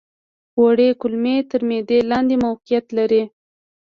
وړې کولمې تر معدې لاندې موقعیت لري.